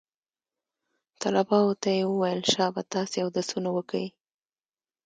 طلباو ته يې وويل شابه تاسې اودسونه وكئ.